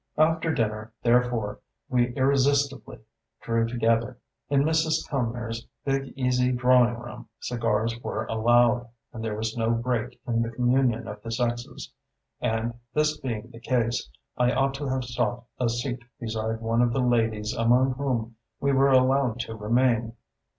After dinner, therefore, we irresistibly drew together. In Mrs. Cumnor's big easy drawing room cigars were allowed, and there was no break in the communion of the sexes; and, this being the case, I ought to have sought a seat beside one of the ladies among whom we were allowed to remain.